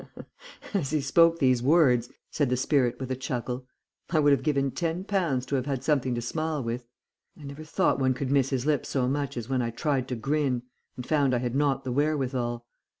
"As he spoke these words," said the spirit, with a chuckle, "I would have given ten pounds to have had something to smile with. I never thought one could miss his lips so much as when I tried to grin and found I had not the wherewithal.